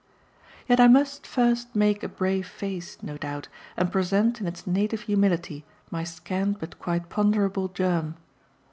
Yet I must first make a brave face, no doubt, and present in its native humility my scant but quite ponderable germ.